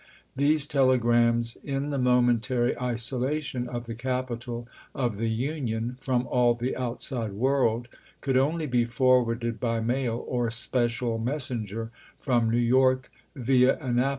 These telegrams, in the moment ary isolation of the capital of the Union from all the outside world, could only be forwarded by mail or special messenger from New York via Annap 1861.